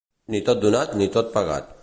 Ni tot donat ni tot pagat.